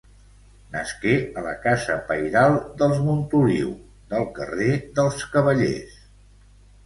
Nasqué a la casa pairal dels Montoliu, del carrer dels Cavallers.